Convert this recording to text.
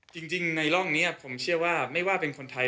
จริงในร่องนี้ผมเชื่อว่าไม่ว่าเป็นคนไทย